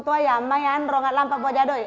tapi tidak bisa menggunakan bahasa lain